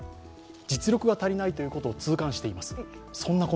実力が足りないということを痛感しています